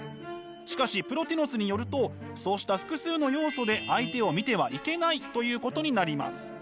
しかしプロティノスによるとそうした複数の要素で相手を見てはいけない！ということになります。